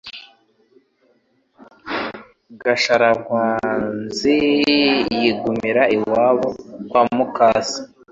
Gasharankwanzi yigumira iwabo kwa mukase